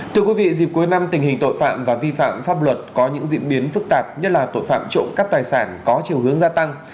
thưa quý vị dịp cuối năm tình hình tội phạm và vi phạm pháp luật có những diễn biến phức tạp nhất là tội phạm trộm cắp tài sản có chiều hướng gia tăng